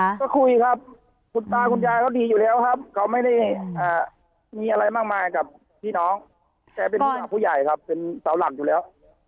ก็คุยครับคุณตาคุณยายเขาดีอยู่แล้วครับเขาไม่ได้มีอะไรมากมายกับพี่น้องแกเป็นผู้หลักผู้ใหญ่ครับเป็นเสาหลักอยู่แล้ว